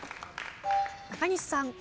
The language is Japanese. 中西さん。